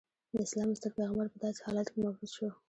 د اسلام ستر پیغمبر په داسې حالاتو کې مبعوث شو.